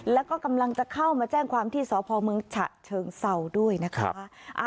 แล้วก็กำลังจะเข้ามาแจ้งความที่สพเมืองฉะเชิงเศร้าด้วยนะคะ